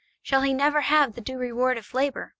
Shall he never have the due reward of labour!